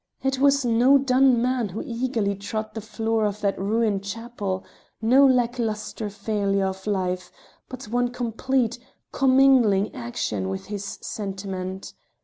It was no done man who eagerly trod the floor of that ruined chapel, no lack lustre failure of life, but one complete, commingling action with his sentiment.